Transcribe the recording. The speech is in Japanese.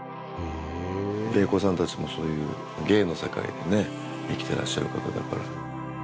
芸妓さんたちもそういう芸の世界で生きてらっしゃる方だから。